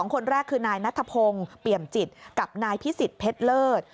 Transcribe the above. คนแรกคือนายนัทพงศ์เปี่ยมจิตกับนายพิสิทธิเพชรเลิศ